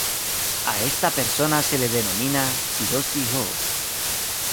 A esta persona se le denomina "Shidoshi-Ho".